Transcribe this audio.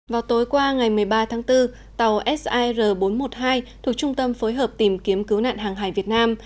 vào tối qua ngày một mươi ba tháng bốn tàu sir bốn trăm một mươi hai thuộc trung tâm phối hợp tìm kiếm cứu nạn hàng hải việt nam